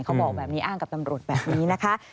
เขาบอกแบบนี้อ้างกับตำรวจแบบนี้นะคะ